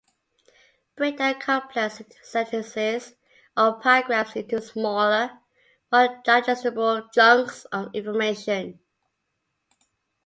Break down complex sentences or paragraphs into smaller, more digestible chunks of information.